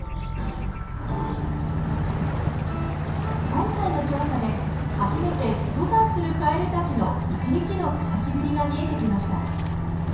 今回の調査で初めて登山するカエルたちの１日の暮らしぶりが見えてきました。